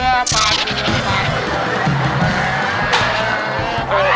เฮ้ยอะไร